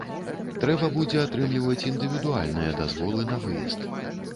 Трэба будзе атрымліваць індывідуальныя дазволы на выезд.